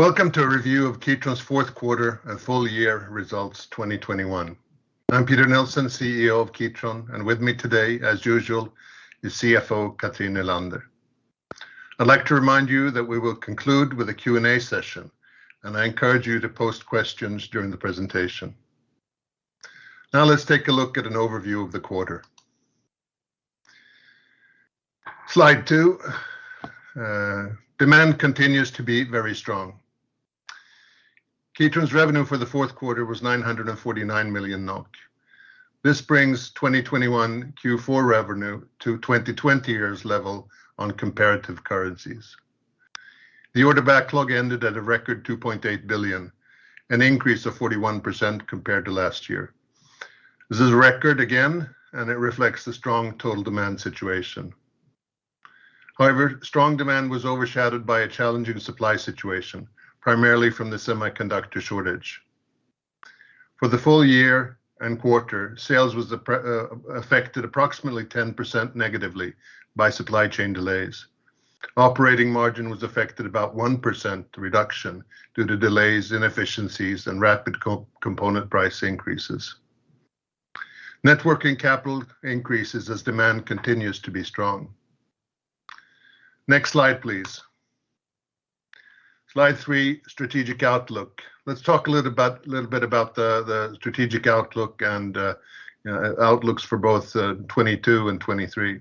Welcome to a review of Kitron's fourth quarter and full-year results 2021. I'm Peter Nilsson, CEO of Kitron, and with me today, as usual, is CFO Cathrin Nylander. I'd like to remind you that we will conclude with a Q&A session, and I encourage you to post questions during the presentation. Now let's take a look at an overview of the quarter. Slide 2. Demand continues to be very strong. Kitron's revenue for the fourth quarter was 949 million NOK. This brings 2021 Q4 revenue to 2020's level on comparative currencies. The order backlog ended at a record 2.8 billion, an increase of 41% compared to last year. This is a record again, and it reflects the strong total demand situation. However, strong demand was overshadowed by a challenging supply situation, primarily from the semiconductor shortage. For the full-year and quarter, sales was affected approximately 10% negatively by supply chain delays. Operating margin was affected about 1% reduction due to delays, inefficiencies, and rapid component price increases. Net working capital increases as demand continues to be strong. Next slide, please. Slide 3, strategic outlook. Let's talk a little bit about the strategic outlook and, you know, outlooks for both 2022 and 2023.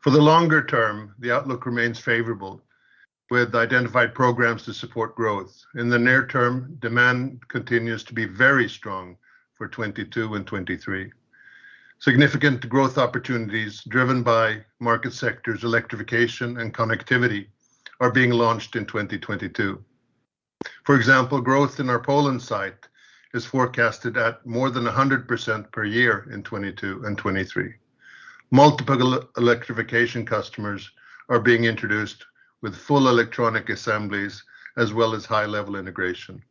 For the longer term, the outlook remains favorable with identified programs to support growth. In the near term, demand continues to be very strong for 2022 and 2023. Significant growth opportunities driven by market sectors, Electrification, and Connectivity are being launched in 2022. For example, growth in our Poland site is forecasted at more than 100% per year in 2022 and 2023. Multiple Electrification customers are being introduced with full electronic assemblies as well as high-level integration.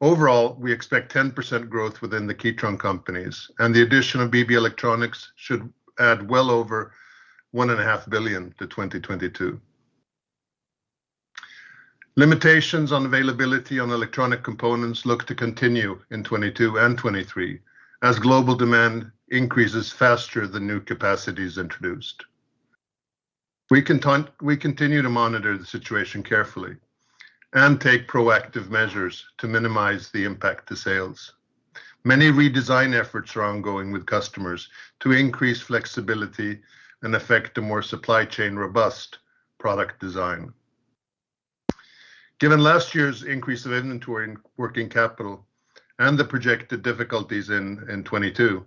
Overall, we expect 10% growth within the Kitron companies, and the addition of BB Electronics should add well over 1.5 billion to 2022. Limitations on availability of electronic components look to continue in 2022 and 2023 as global demand increases faster than new capacity is introduced. We continue to monitor the situation carefully and take proactive measures to minimize the impact to sales. Many redesign efforts are ongoing with customers to increase flexibility and effect a more supply chain robust product design. Given last year's increase of inventory and working capital and the projected difficulties in 2022,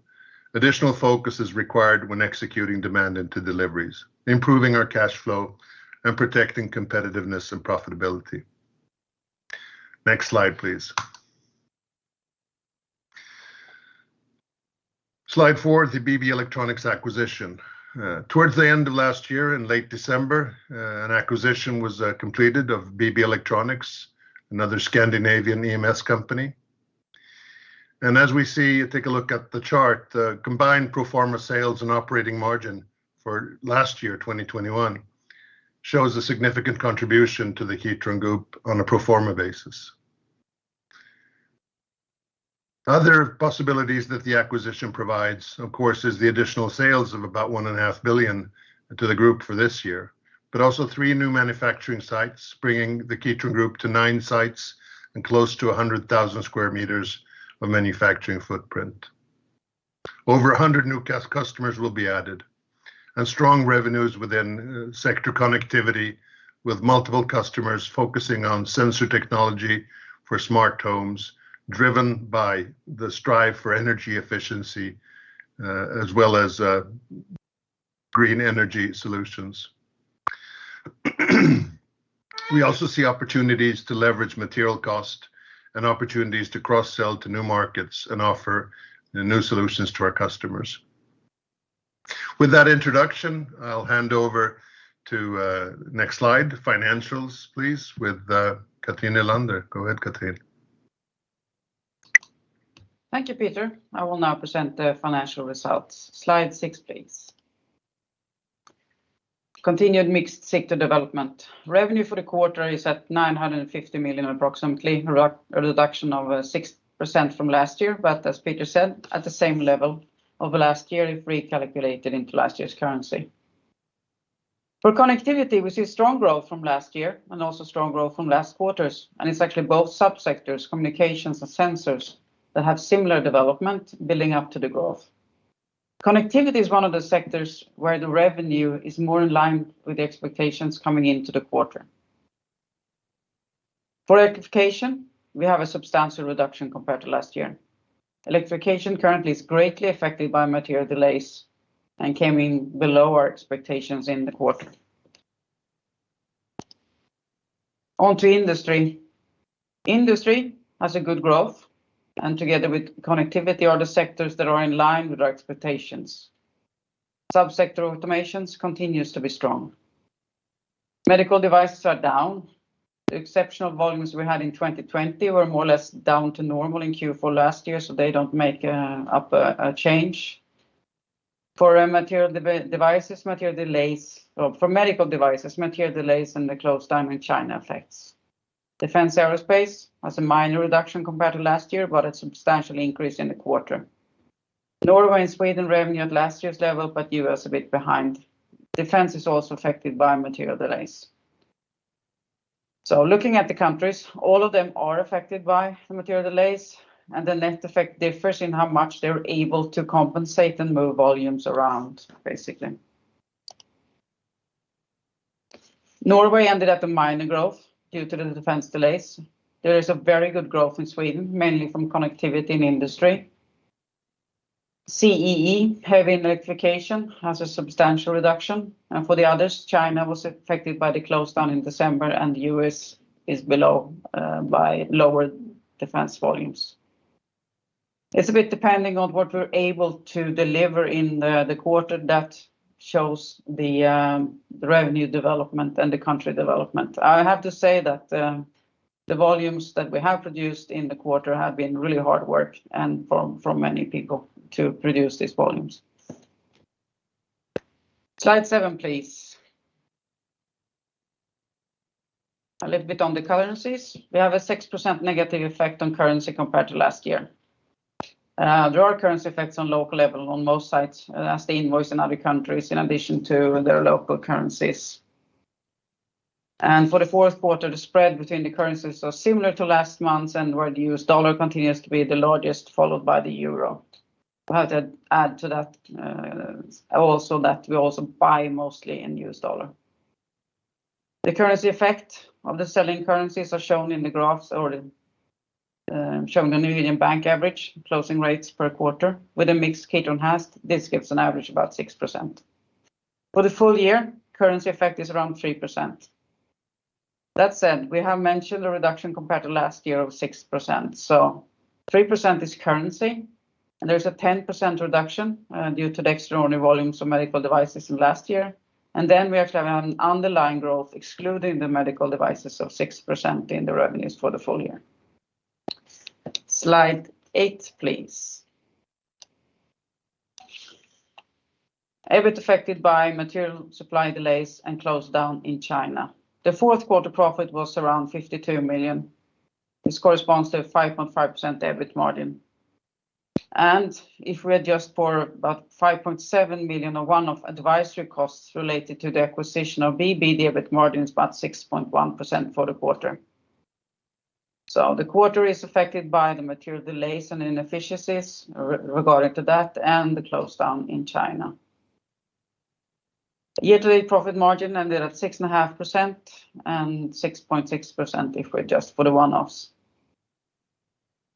additional focus is required when executing demand into deliveries, improving our cash flow, and protecting competitiveness and profitability. Next slide, please. Slide 4, the BB Electronics acquisition. Towards the end of last year in late December, an acquisition was completed of BB Electronics, another Scandinavian EMS company. As we see, take a look at the chart, the combined pro forma sales and operating margin for last year, 2021, shows a significant contribution to the Kitron Group on a pro forma basis. Other possibilities that the acquisition provides, of course, is the additional sales of about 1.5 billion to the group for this year, but also three new manufacturing sites, bringing the Kitron Group to nine sites and close to 100,000 sq m of manufacturing footprint. Over 100 new customers will be added, and strong revenues within sector Connectivity with multiple customers focusing on sensor technology for smart homes, driven by the drive for energy efficiency, as well as green energy solutions. We also see opportunities to leverage material cost and opportunities to cross-sell to new markets and offer new solutions to our customers. With that introduction, I'll hand over to next slide, financials please, with Cathrin Nylander. Go ahead, Cathrin. Thank you, Peter. I will now present the financial results. Slide 6, please. Continued mixed sector development. Revenue for the quarter is at approximately 950 million, a reduction of 6% from last year, but as Peter said, at the same level of last year if recalculated into last year's currency. For Connectivity, we see strong growth from last year and also strong growth from last quarters, and it's actually both subsectors, communications and sensors, that have similar development building up to the growth. Connectivity is one of the sectors where the revenue is more in line with the expectations coming into the quarter. For Electrification, we have a substantial reduction compared to last year. Electrification currently is greatly affected by material delays and came in below our expectations in the quarter. On to industry. Industry has a good growth, and together with Connectivity are the sectors that are in line with our expectations. Subsector Automation continues to be strong. Medical devices are down. The exceptional volumes we had in 2020 were more or less down to normal in Q4 last year, so they don't make up a change. For Medical devices, material delays and the shutdown in China affects. Defence/Aerospace has a minor reduction compared to last year, but a substantial increase in the quarter. Norway and Sweden revenue at last year's level, but U.S. EBIT behind. Defence is also affected by material delays. Looking at the countries, all of them are affected by the material delays, and the net effect differs in how much they're able to compensate and move volumes around, basically. Norway ended at a minor growth due to the defense delays. There is a very good growth in Sweden, mainly from Connectivity and Industry. CEE, heavy Electrification, has a substantial reduction. For the others, China was affected by the close down in December, and U.S. is below by lower defense volumes. It's EBIT depending on what we're able to deliver in the quarter that shows the revenue development and the country development. I have to say that the volumes that we have produced in the quarter have been really hard work from many people to produce these volumes. Slide 7, please. A little bit on the currencies. We have a 6% negative effect on currency compared to last year. There are currency effects on local level on most sites as they invoice in other countries in addition to their local currencies. For the fourth quarter, the spread between the currencies are similar to last month's and where the US dollar continues to be the largest, followed by the euro. I have to add to that, also that we also buy mostly in US dollar. The currency effect of the selling currencies are shown in the graphs or shown the Norwegian bank average closing rates per quarter with a mix Kitron has, this gives an average about 6%. For the full-year, currency effect is around 3%. That said, we have mentioned a reduction compared to last year of 6%. Three percent is currency, and there's a 10% reduction, due to the extraordinary volumes of Medical devices in last year. We actually have an underlying growth, excluding the Medical devices, of 6% in the revenues for the full-year. Slide 8, please. EBIT affected by material supply delays and close down in China. The fourth quarter profit was around 52 million. This corresponds to a 5.5% EBIT margin. If we adjust for about 5.7 million of one-off advisory costs related to the acquisition of BB, the EBIT margin is about 6.1% for the quarter. The quarter is affected by the material delays and inefficiencies regarding that and the close down in China. Year-to-date profit margin ended at 6.5% and 6.6% if we adjust for the one-offs.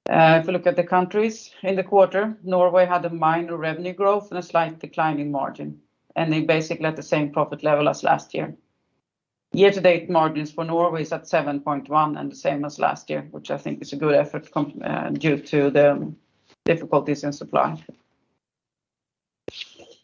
If you look at the countries in the quarter, Norway had a minor revenue growth and a slight decline in margin, ending basically at the same profit level as last year. Year-to-date margins for Norway is at 7.1% and the same as last year, which I think is a good effort due to the difficulties in supply.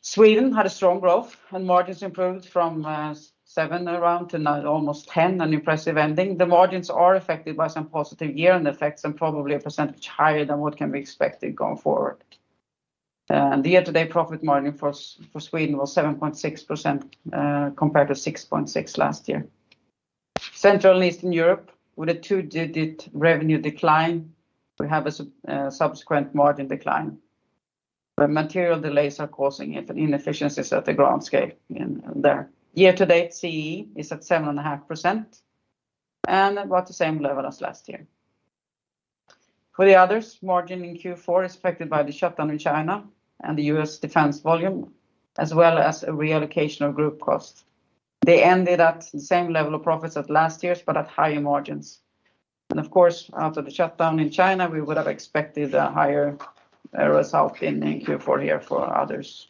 Sweden had a strong growth, and margins improved from around 7% to now almost 10%, an impressive ending. The margins are affected by some positive year-end effects and probably a percentage higher than what can be expected going forward. The year-to-date profit margin for Sweden was 7.6%, compared to 6.6% last year. Central and Eastern Europe, with a two-digit revenue decline, we have a subsequent margin decline, where material delays are causing it and inefficiencies at the ground level in there. Year to date, CEE is at 7.5% and about the same level as last year. For the others, margin in Q4 is affected by the shutdown in China and the U.S. defense volume, as well as a reallocation of group costs. They ended at the same level of profits as last year but at higher margins. Of course, after the shutdown in China, we would have expected a higher result in Q4 here for others.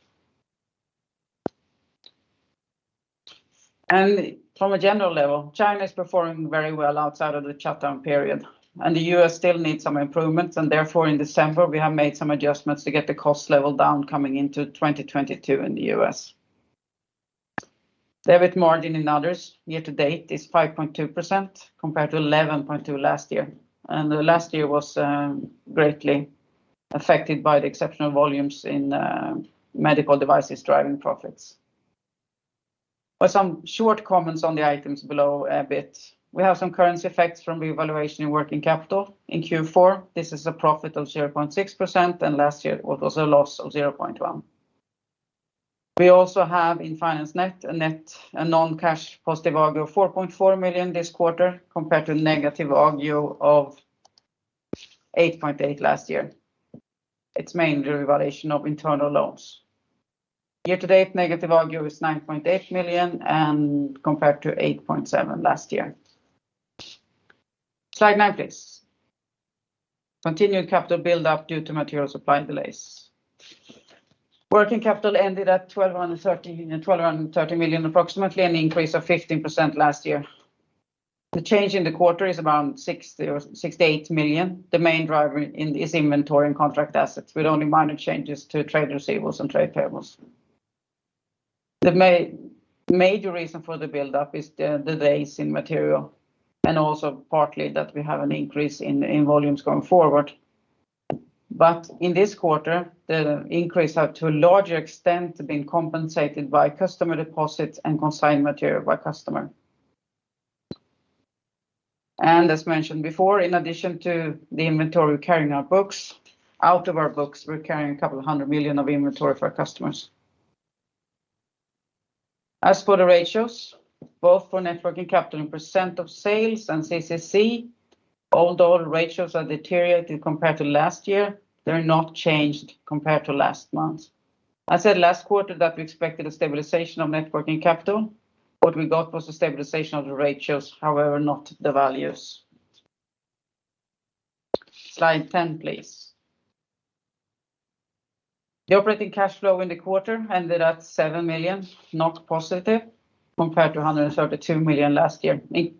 From a general level, China is performing very well outside of the shutdown period, and the U.S. still needs some improvements, and therefore in December, we have made some adjustments to get the cost level down coming into 2022 in the U.S. EBIT margin in others year to date is 5.2% compared to 11.2% last year, and the last year was greatly affected by the exceptional volumes in Medical devices driving profits. Some short comments on the items below EBIT. We have some currency effects from revaluation in working capital. In Q4, this is a profit of 0.6%, and last year it was a loss of 0.1. We also have in financial net a non-cash positive agio of 4.4 million this quarter, compared to negative agio of 8.8 last year. It's mainly revaluation of internal loans. Year to date, negative agio is 9.8 million compared to 8.7 last year. Slide 9, please. Continued capital buildup due to material supply delays. Working capital ended at 1,230 million, approximately an increase of 15% last year. The change in the quarter is around 60 or 68 million. The main driver is inventory and contract assets with only minor changes to trade receivables and trade payables. The major reason for the buildup is the days in material, and also partly that we have an increase in volumes going forward. In this quarter, the increase have to a larger extent been compensated by customer deposits and consigned material by customer. As mentioned before, in addition to the inventory we're carrying on our books, out of our books we're carrying a couple of 100 million NOK of inventory for our customers. As for the ratios, both for net working capital and % of sales and CCC, although all ratios are deteriorating compared to last year, they're not changed compared to last month. I said last quarter that we expected a stabilization of net working capital. What we got was a stabilization of the ratios, however, not the values. Slide 10, please. The operating cash flow in the quarter ended at 7 million positive compared to 132 million last year. In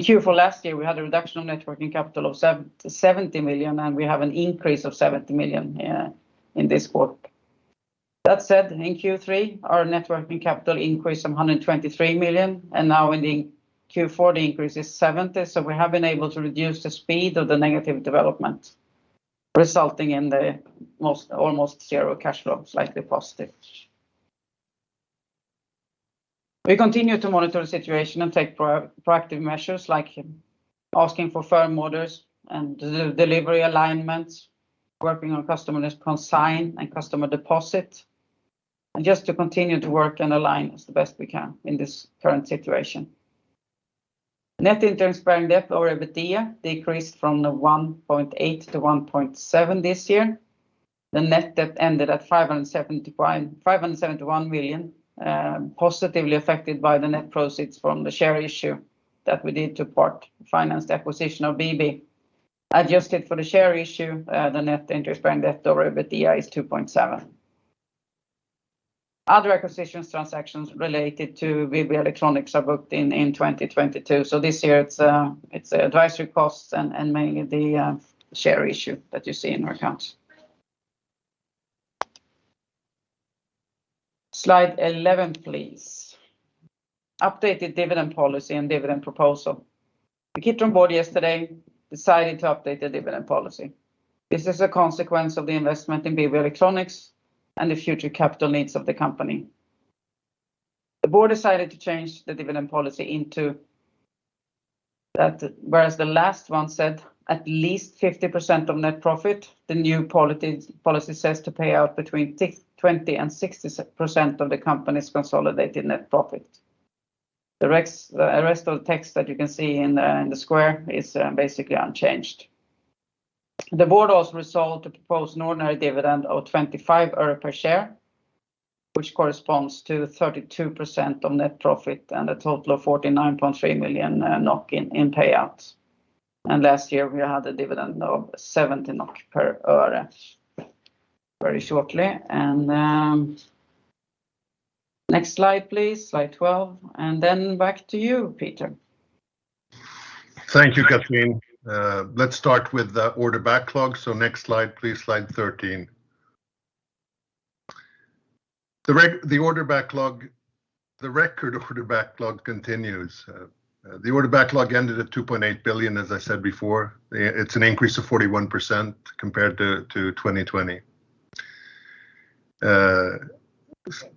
Q4 last year, we had a reduction of net working capital of 70 million, and we have an increase of 70 million in this quarter. That said, in Q3, our net working capital increased some 123 million, and now in Q4 the increase is 70, so we have been able to reduce the speed of the negative development resulting in almost zero cash flow, slightly positive. We continue to monitor the situation and take proactive measures like asking for firm orders and delivery alignments, working on customer's consignment and customer deposit, and just to continue to work and align as best we can in this current situation. Net interest-bearing debt over EBITDA decreased from 1.8 to 1.7 this year. The net debt ended at 571 million NOK, positively affected by the net proceeds from the share issue that we did to part finance the acquisition of BB. Adjusted for the share issue, the net interest-bearing debt over EBITDA is 2.7. Other acquisitions transactions related to BB Electronics are booked in 2022. This year it's advisory costs and the share issue that you see in our accounts. Slide 11, please. Updated dividend policy and dividend proposal. The Kitron board yesterday decided to update the dividend policy. This is a consequence of the investment in BB Electronics and the future capital needs of the company. The board decided to change the dividend policy into that whereas the last one said at least 50% of net profit, the new policy says to pay out between 20%-60% of the company's consolidated net profit. The rest of the text that you can see in the square is basically unchanged. The board also resolved to propose an ordinary dividend of 25 øre per share, which corresponds to 32% of net profit and a total of 49.3 million NOK in payouts. Last year we had a dividend of 70 NOK per share. Very shortly, next slide, please. Slide 12, and then back to you, Peter. Thank you, Cathrin. Let's start with the order backlog. Next slide, please. Slide 13. The order backlog, the record order backlog continues. The order backlog ended at 2.8 billion, as I said before. It's an increase of 41% compared to 2020.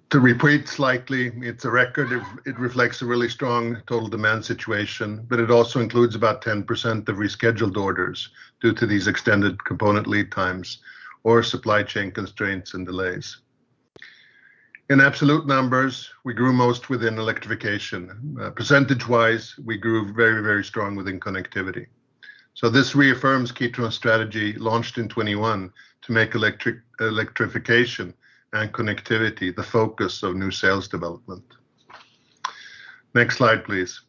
To repeat slightly, it's a record. It reflects a really strong total demand situation, but it also includes about 10% of rescheduled orders due to these extended component lead times or supply chain constraints and delays. In absolute numbers, we grew most within Electrification. Percentage-wise, we grew very, very strong within Connectivity. This reaffirms Kitron's strategy launched in 2021 to make Electrification and Connectivity the focus of new sales development. Next slide, please.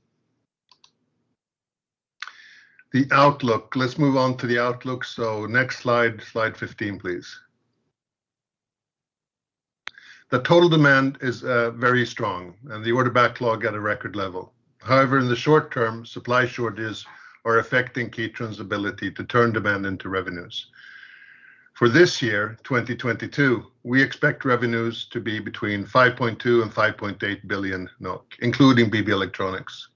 The outlook. Let's move on to the outlook. Next slide, Slide 15, please. The total demand is very strong, and the order backlog at a record level. However, in the short term, supply shortages are affecting Kitron's ability to turn demand into revenues. For this year, 2022, we expect revenues to be between 5.2 billion and 5.8 billion, including BB Electronics.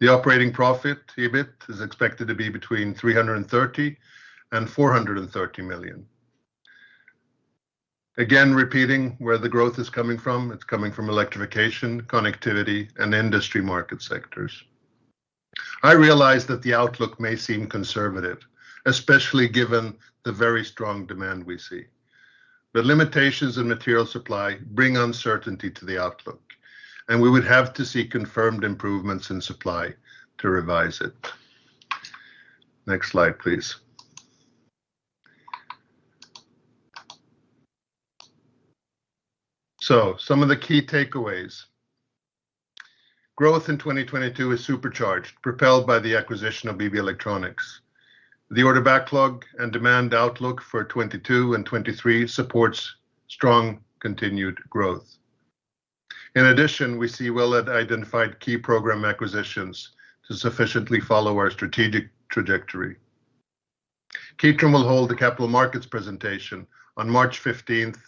The operating profit, EBIT, is expected to be between 330 million and 430 million. Again, repeating where the growth is coming from, it's coming from Electrification, Connectivity, and Industry market sectors. I realize that the outlook may seem conservative, especially given the very strong demand we see. The limitations in material supply bring uncertainty to the outlook, and we would have to see confirmed improvements in supply to revise it. Next slide, please. Some of the key takeaways. Growth in 2022 is supercharged, propelled by the acquisition of BB Electronics. The order backlog and demand outlook for 2022 and 2023 supports strong continued growth. In addition, we see well-identified key program acquisitions to sufficiently follow our strategic trajectory. Kitron will hold a capital markets presentation on March fifteenth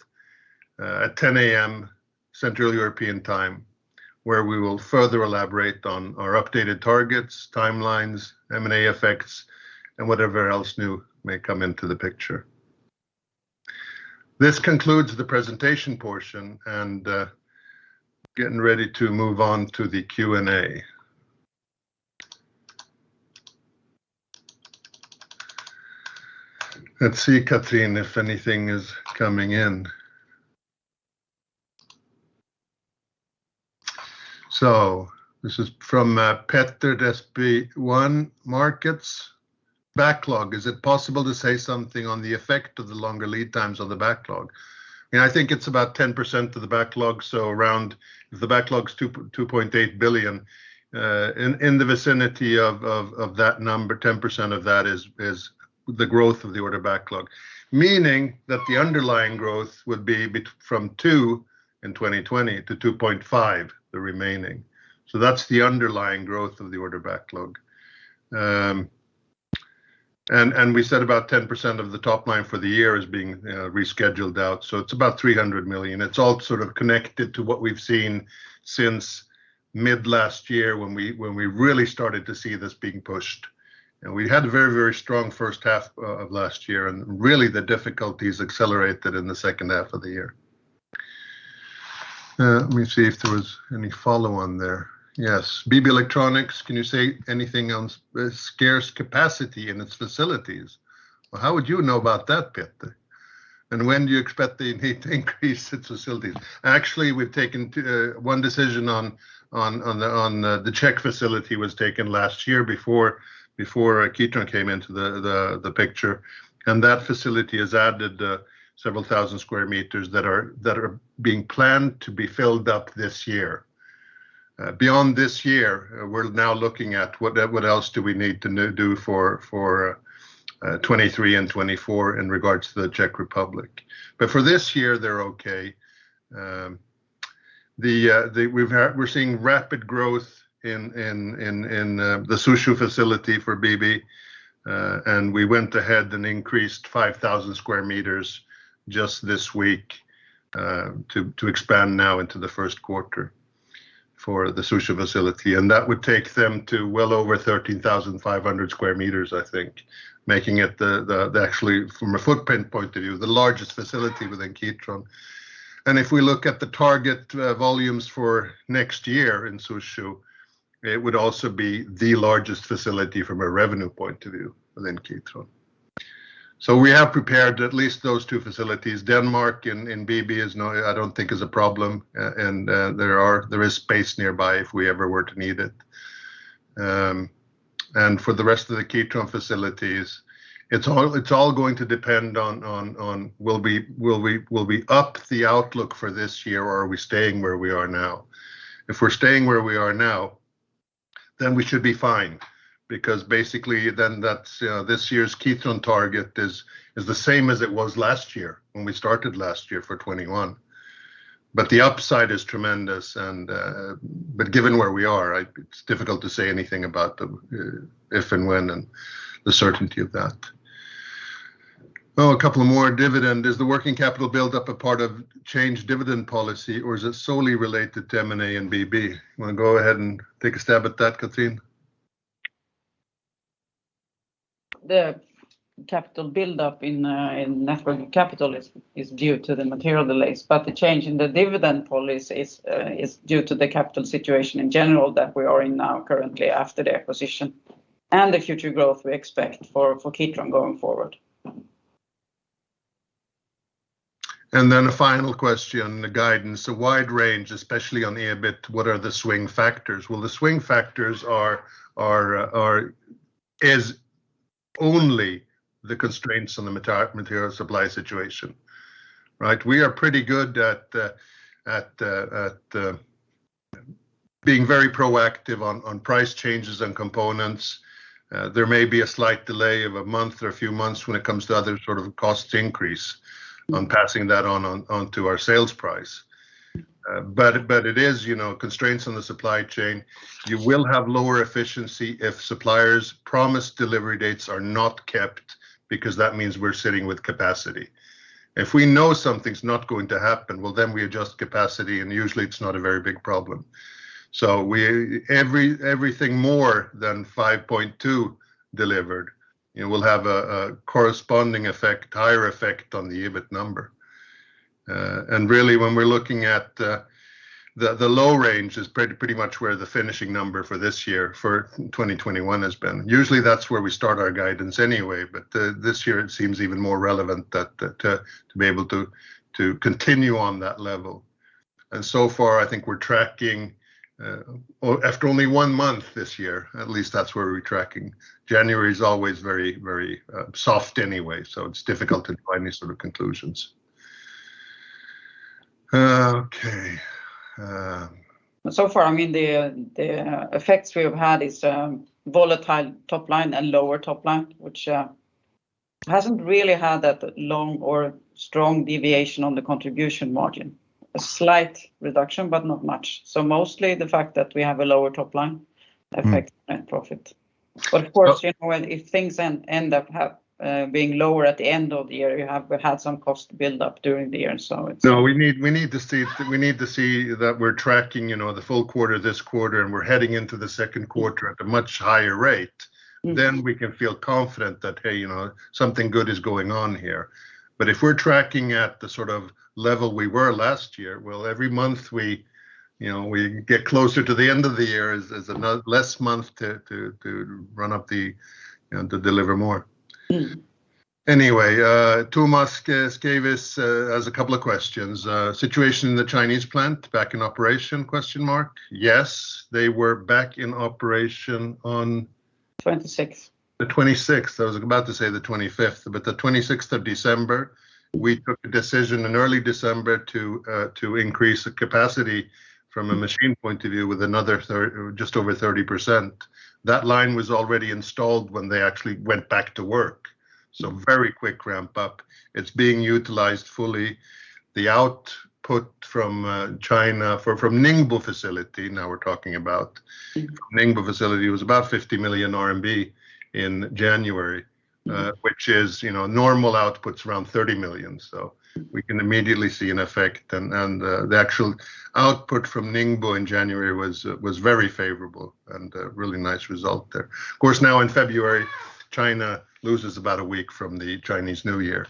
at 10 A.M. Central European Time, where we will further elaborate on our updated targets, timelines, M&A effects, and whatever else new may come into the picture. This concludes the presentation portion, and getting ready to move on to the Q&A. Let's see, Cathrin, if anything is coming in. This is from Petter at SB1 Markets. Backlog, is it possible to say something on the effect of the longer lead times on the backlog? Yeah, I think it's about 10% of the backlog, so around if the backlog's 2.8 billion in the vicinity of that number, 10% of that is the growth of the order backlog. Meaning that the underlying growth would be from two in 2020 to 2.5, the remaining. That's the underlying growth of the order backlog. We said about 10% of the top line for the year is being rescheduled out, so it's about 300 million. It's all sort of connected to what we've seen since mid last year when we really started to see this being pushed. We had a very strong first half of last year, and really the difficulties accelerated in the second half of the year. Let me see if there was any follow on there. Yes. BB Electronics, can you say anything on scarce capacity in its facilities? Well, how would you know about that, Petter? And when do you expect the need to increase its facilities? Actually, one decision on the Czech facility was taken last year before Kitron came into the picture. That facility has added several thousand sq m that are being planned to be filled up this year. Beyond this year, we're now looking at what else do we need to do for 2023 and 2024 in regards to the Czech Republic. For this year, they're okay. We're seeing rapid growth in the Suzhou facility for BB, and we went ahead and increased 5,000 sq m just this week to expand now into the first quarter for the Suzhou facility. That would take them to well over 13,500 sq m, I think, making it actually, from a footprint point of view, the largest facility within Kitron. If we look at the target volumes for next year in Suzhou, it would also be the largest facility from a revenue point of view within Kitron. We have prepared at least those two facilities. Denmark and BB, I don't think, is a problem, and there is space nearby if we ever were to need it. For the rest of the Kitron facilities, it's all going to depend on will we up the outlook for this year or are we staying where we are now? If we're staying where we are now, then we should be fine, because basically then that's this year's Kitron target is the same as it was last year when we started last year for 2021. But the upside is tremendous, but given where we are, it's difficult to say anything about the if and when and the certainty of that. Oh, a couple of more dividend. Is the working capital build up a part of changed dividend policy or is it solely related to M&A and BB? You want to go ahead and take a stab at that, Cathrin? The capital build up in net working capital is due to the material delays, but the change in the dividend policy is due to the capital situation in general that we are in now currently after the acquisition and the future growth we expect for Kitron going forward. A final question, the guidance, a wide range, especially on EBIT, what are the swing factors? Well, the swing factors is only the constraints on the material supply situation, right? We are pretty good at being very proactive on price changes and components. There may be a slight delay of a month or a few months when it comes to other sort of cost increase on passing that on to our sales price. But it is, you know, constraints on the supply chain. You will have lower efficiency if suppliers' promised delivery dates are not kept, because that means we're sitting with capacity. If we know something's not going to happen, well, then we adjust capacity, and usually it's not a very big problem. Everything more than 5.2 delivered will have a corresponding higher effect on the EBIT number. Really when we're looking at the low range is pretty much where the finish number for this year, for 2021, has been. Usually, that's where we start our guidance anyway, this year it seems even more relevant to be able to continue on that level. So far, I think we're tracking after only one month this year, at least that's where we're tracking. January is always very soft anyway, so it's difficult to draw any sort of conclusions. Okay. So far, I mean, the effects we have had is volatile top line and lower top line, which it hasn't really had that long or strong deviation on the contribution margin. A slight reduction, but not much. Mostly the fact that we have a lower top line. Mm-hmm It affects net profit. Of course, you know, and if things end up being lower at the end of the year, you have had some cost buildup during the year. No, we need to see that we're tracking, you know, the full quarter this quarter, and we're heading into the second quarter at a much higher rate. Mm-hmm. We can feel confident that, hey, you know, something good is going on here. If we're tracking at the sort of level we were last year, well, every month, you know, we get closer to the end of the year as one less month to run up the, you know, to deliver more. Mm-hmm. Anyway, Thomas Kjær has a couple of questions. Situation in the Chinese plant back in operation? Yes. They were back in operation on- 26th the 26th. I was about to say the 25th, but the 26th of December. We took a decision in early December to increase the capacity from a machine point of view with another just over 30%. That line was already installed when they actually went back to work. Very quick ramp up. It's being utilized fully. The output from China, from Ningbo facility, now we're talking about. Mm-hmm. Ningbo facility was about 50 million RMB in January. Mm-hmm Which is, you know, normal output's around 30 million. So we can immediately see an effect. The actual output from Ningbo in January was very favorable, and a really nice result there. Of course, now in February, China loses about a week from the Chinese New Year.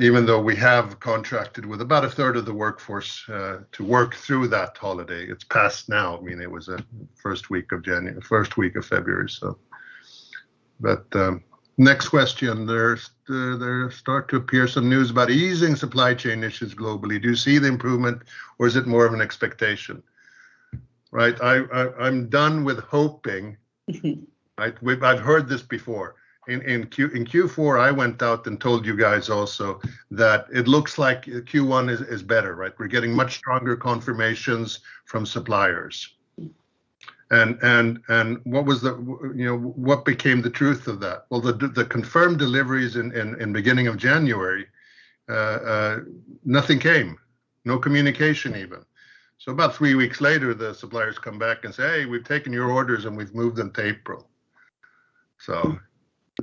Even though we have contracted with about a third of the workforce to work through that holiday, it's passed now. I mean, it was first week of February. Next question. There start to appear some news about easing supply chain issues globally. Do you see the improvement or is it more of an expectation? Right. I'm done with hoping. I've heard this before. In Q4, I went out and told you guys also that it looks like Q1 is better, right? We're getting much stronger confirmations from suppliers. What was the, you know, what became the truth of that? Well, the confirmed deliveries in beginning of January, nothing came. No communication even. About three weeks later, the suppliers come back and say, "Hey, we've taken your orders, and we've moved them to April."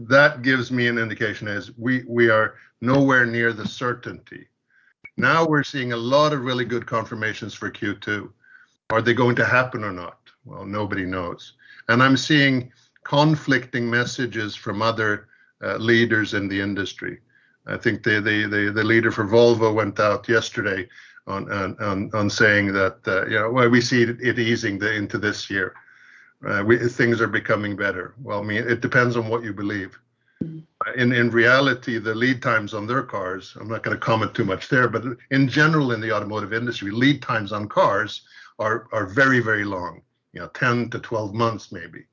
That gives me an indication as we are nowhere near the certainty. Now we're seeing a lot of really good confirmations for Q2. Are they going to happen or not? Well, nobody knows. I'm seeing conflicting messages from other leaders in the industry. I think the leader for Volvo went out yesterday on saying that, you know, "Well, we see it easing into this year. We see things are becoming better." Well, I mean, it depends on what you believe. Mm-hmm. In reality, the lead times on their cars, I'm not gonna comment too much there, but in general in the automotive industry, lead times on cars are very, very long. You know, 10-12 months maybe.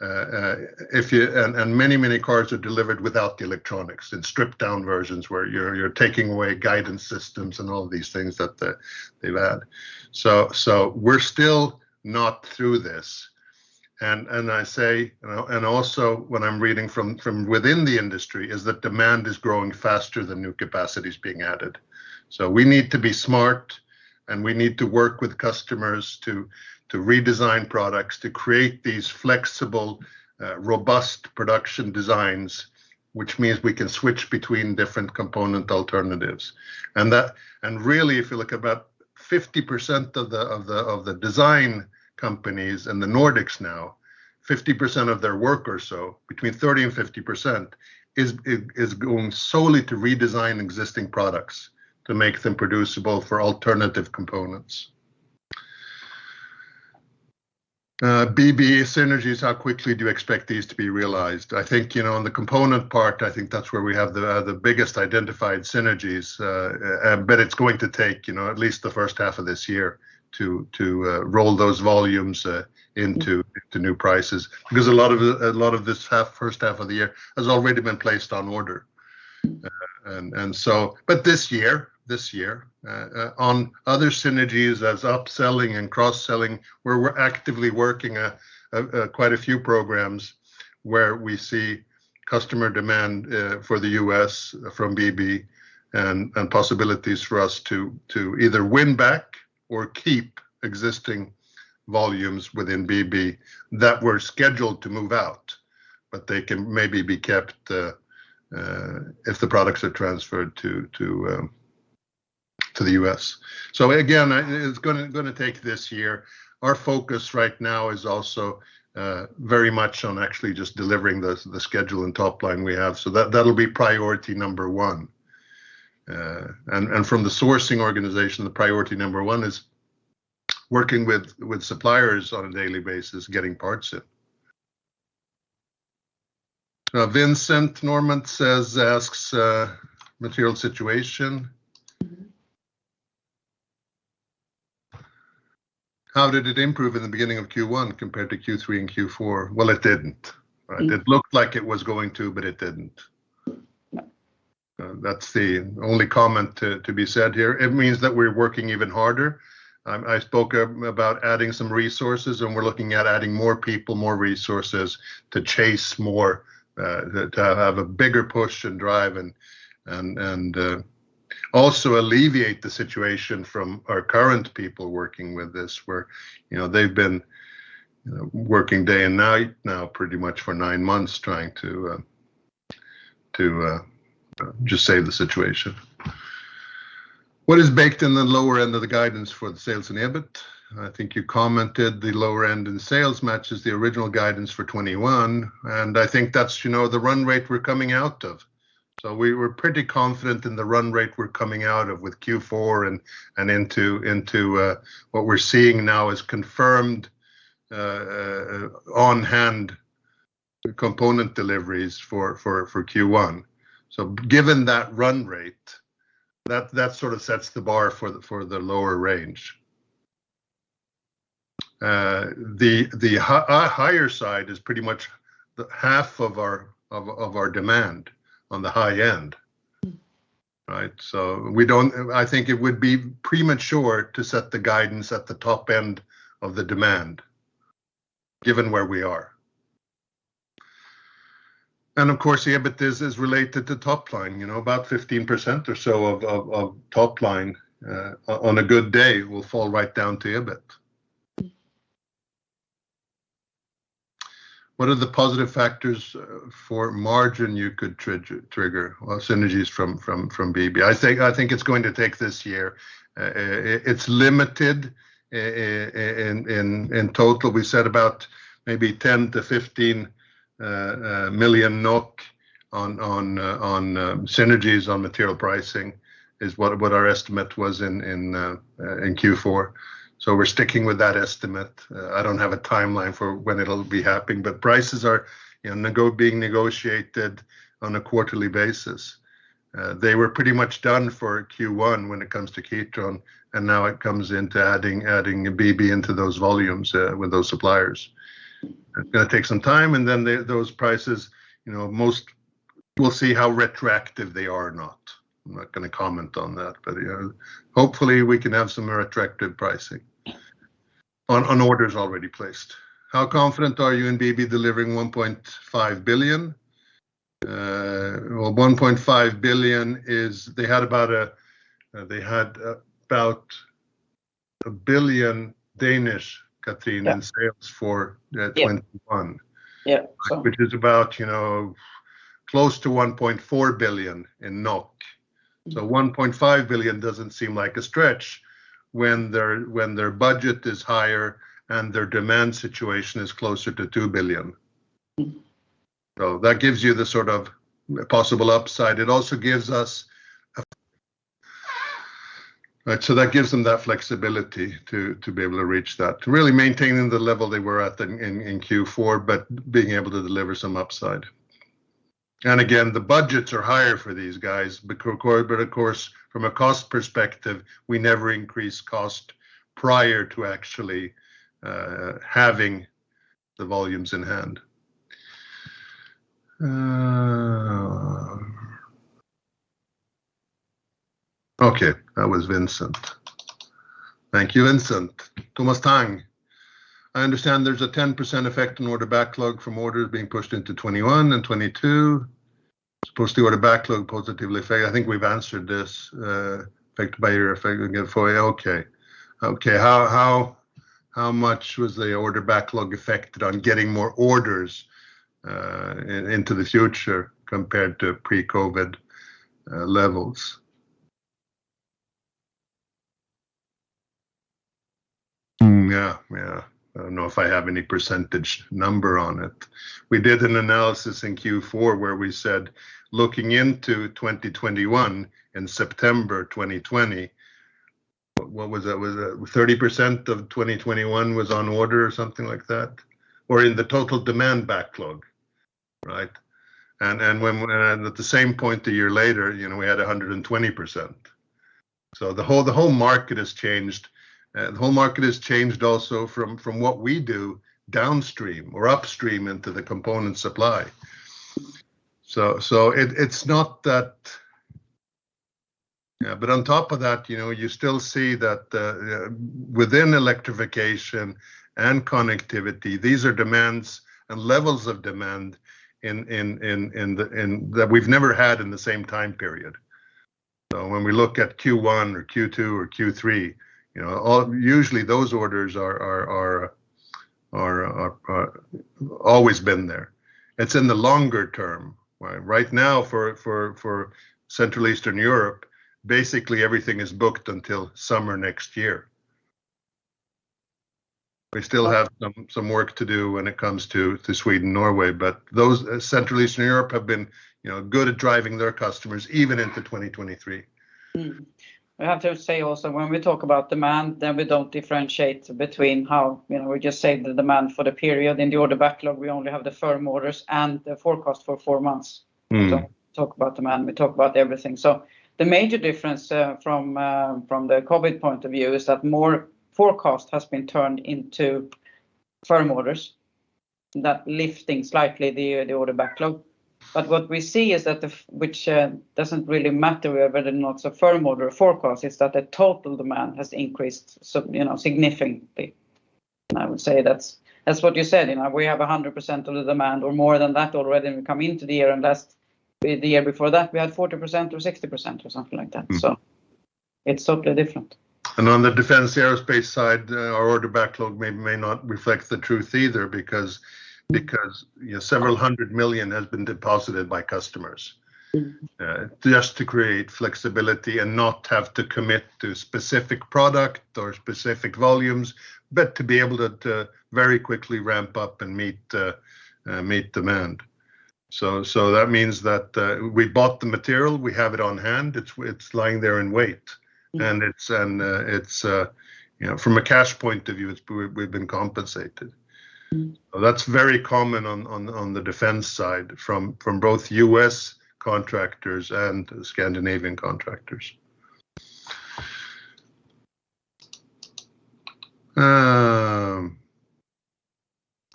Many cars are delivered without the electronics, in stripped down versions where you're taking away guidance systems and all these things that they've had. We're still not through this. Also what I'm reading from within the industry is that demand is growing faster than new capacity's being added. We need to be smart, and we need to work with customers to redesign products, to create these flexible, robust production designs, which means we can switch between different component alternatives. Really, if you look at about 50% of the design companies in the Nordics now, 50% of their work or so, between 30%-50%, is going solely to redesign existing products to make them producible for alternative components. BB synergies, how quickly do you expect these to be realized? I think, you know, on the component part, I think that's where we have the biggest identified synergies. But it's going to take, you know, at least the first half of this year to roll those volumes into new prices. Because a lot of this half, first half of the year has already been placed on order. This year, on other synergies as upselling and cross-selling, we're actively working quite a few programs where we see customer demand for the U.S. from BB and possibilities for us to either win back or keep existing volumes within BB that were scheduled to move out. They can maybe be kept if the products are transferred to the U.S. It's gonna take this year. Our focus right now is also very much on actually just delivering the schedule and top line we have. That'll be priority number one. From the sourcing organization, the priority number one is working with suppliers on a daily basis, getting parts in. Vincent Normand says, asks material situation. Mm-hmm. How did it improve in the beginning of Q1 compared to Q3 and Q4? Well, it didn't, right? Mm-hmm. It looked like it was going to, but it didn't. That's the only comment to be said here. It means that we're working even harder. I spoke about adding some resources, and we're looking at adding more people, more resources to chase more, to have a bigger push and drive and also alleviate the situation from our current people working with this, where, you know, they've been, you know, working day and night now pretty much for nine months trying to just save the situation. What is baked in the lower end of the guidance for the sales and EBIT? I think you commented the lower end in sales matches the original guidance for 2021, and I think that's, you know, the run rate we're coming out of. We were pretty confident in the run rate we're coming out of with Q4 and into what we're seeing now as confirmed on-hand component deliveries for Q1. Given that run rate, that sort of sets the bar for the lower range. The higher side is pretty much the half of our demand on the high end, right? We don't I think it would be premature to set the guidance at the top end of the demand given where we are. Of course, the EBIT is related to top line, you know, about 15% or so of top line on a good day will fall right down to EBIT. What are the positive factors for margin you could trigger or synergies from BB? I think it's going to take this year. It's limited. In total, we said about maybe 10 million-15 million NOK on synergies on material pricing, is what our estimate was in Q4. We're sticking with that estimate. I don't have a timeline for when it'll be happening, but prices are being negotiated on a quarterly basis. They were pretty much done for Q1 when it comes to Kitron, and now it comes into adding BB into those volumes with those suppliers. It's gonna take some time, and then those prices, most we'll see how retroactive they are or not. I'm not gonna comment on that. You know, hopefully we can have some retroactive pricing on orders already placed. How confident are you in BB delivering 1.5 billion? Well, 1.5 billion is. They had about 1 billion, Cathrin Nylander. Yeah. In sales for Yeah. 2021. Yeah. Which is about, you know, close to 1.4 billion. 1.5 billion doesn't seem like a stretch when their budget is higher and their demand situation is closer to 2 billion. That gives you the sort of possible upside. It also gives us, right. That gives them that flexibility to be able to reach that, to really maintaining the level they were at in Q4 but being able to deliver some upside. Again, the budgets are higher for these guys but of course, from a cost perspective, we never increase cost prior to actually having the volumes in hand. Okay, that was Vincent. Thank you, Vincent. Thomas Tang. I understand there's a 10% effect in order backlog from orders being pushed into 2021 and 2022. I think we've answered this effect by the effect, okay. Okay, how much was the order backlog affected on getting more orders into the future compared to pre-COVID levels? Yeah, I don't know if I have any percentage number on it. We did an analysis in Q4 where we said looking into 2021 in September 2020, what was it? Was it 30% of 2021 was on order or something like that? Or in the total demand backlog, right? At the same point a year later, you know, we had 120%. The whole market has changed. The whole market has changed also from what we do downstream or upstream into the component supply. It, it's not that. Yeah, on top of that, you know, you still see that within Electrification and Connectivity, these are demands and levels of demand in that we've never had in the same time period. When we look at Q1 or Q2 or Q3, you know, usually those orders are always been there. It's in the longer term, right? Right now for Central Eastern Europe, basically everything is booked until summer next year. We still have some work to do when it comes to Sweden, Norway, but those Central Eastern Europe have been, you know, good at driving their customers even into 2023. I have to say also when we talk about demand, then we don't differentiate between how, you know, we just say the demand for the period. In the order backlog, we only have the firm orders and the forecast for four months. Mm. Talk about demand, we talk about everything. The major difference from the COVID point of view is that more forecast has been turned into firm orders, that lifting slightly the order backlog. But what we see is that which doesn't really matter whether or not it's a firm order or forecast, it's that the total demand has increased so, you know, significantly. I would say that's what you said. You know, we have 100% of the demand or more than that already when we come into the year, and that's the year before that we had 40% or 60% or something like that. Mm. It's totally different. On the Defense/Aerospace side, our order backlog may not reflect the truth either because, you know, NOK several hundred million has been deposited by customers. Mm Just to create flexibility and not have to commit to specific product or specific volumes, but to be able to very quickly ramp up and meet demand. That means that we bought the material, we have it on hand. It's lying there in wait. Mm. You know, from a cash point of view, we've been compensated. Mm. That's very common on the defense side from both U.S. contractors and Scandinavian contractors.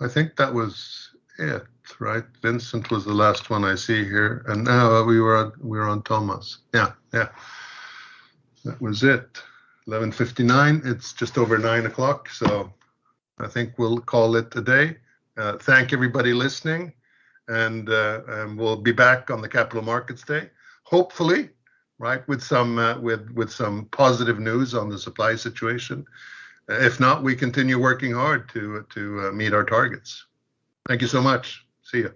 I think that was it, right? Vincent was the last one I see here, and now we were on Thomas. Yeah. That was it. 11:59. It's just over 9 o'clock, so I think we'll call it a day. Thank everybody listening, and we'll be back on the Capital Markets Day, hopefully, right? With some positive news on the supply situation. If not, we continue working hard to meet our targets. Thank you so much. See ya.